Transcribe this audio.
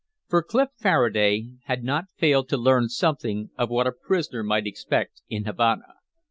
For Clif Faraday had not failed to learn something of what a prisoner might expect in Havana.